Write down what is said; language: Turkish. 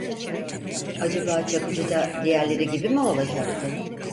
Acaba Çakıcı da diğerleri gibi mi olacaktı?